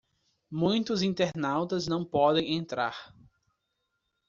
Muitos internautas não podem entrar